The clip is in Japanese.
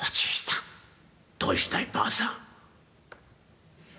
「どうしたい？ばあさん」。